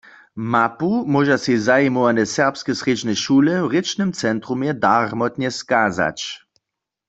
Mapu móža sej zajimowane serbske srjedźne šule w rěčnym centrumje darmotnje skazać.